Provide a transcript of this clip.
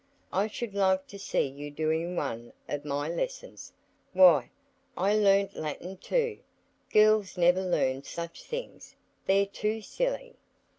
"I should like to see you doing one of my lessons! Why, I learn Latin too! Girls never learn such things. They're too silly."